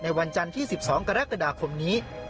วันจันทร์ที่๑๒กรกฎาคมนี้